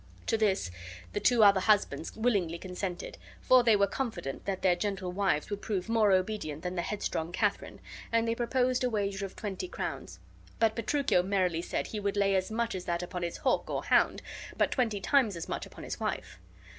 To this the other two husbands willingly consented, for they were confident that their gentle wives would prove more obedient than the headstrong Katharine, and they proposed a wager of twenty crowns. But Petruchio merrily said he would lay as much as that upon his hawk or hound, but twenty times as much upon his wife.